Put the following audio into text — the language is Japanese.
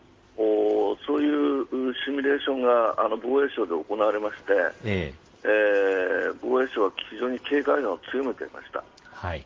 そういうシミュレーションが防衛省で行われまして防衛省は非常に警戒度を強めていました。